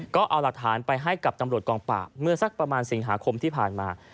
ก็เอาหลักฐานไปให้กับตำรวจกองปราบเมื่อสักประมาณสิงหาคมที่ผ่านมา